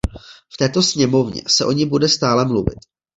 V této sněmovně se o ní bude stále mluvit.